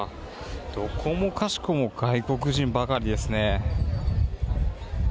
どこもかしこも外国人ばかりですね。